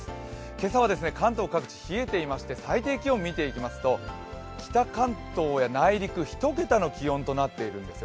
今朝は関東各地冷えていまして、最低気温を見ていきますと北関東や内陸、１桁の気温となっているんです。